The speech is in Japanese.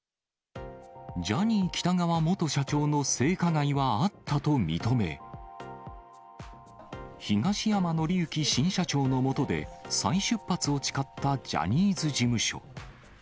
ジャニー喜多川元社長の性加害はあったと認め、東山紀之新社長の下で再出発を誓ったジャニーズ事務所。